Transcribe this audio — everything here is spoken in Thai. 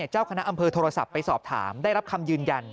เจ้าคณะอำเภอโทรศัพท์ไปสอบถามได้รับคำยืนยัน